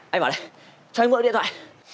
em bảo đây cho anh vợ điện thoại